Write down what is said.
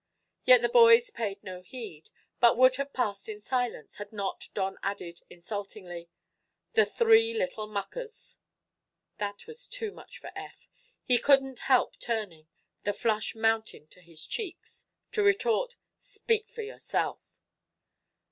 Yet the boys paid no heed, but would have passed in silence, had not Don added, insultingly: "The three little muckers!" That was too much for Eph. He couldn't help turning, the flush mounting to his cheeks, to retort: "Speak for yourself!"